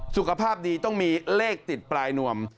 สุขภาพดีต้องมีเลขติดปลายนวม